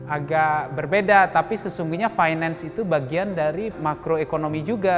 agak berbeda tapi sesungguhnya finance itu bagian dari makroekonomi juga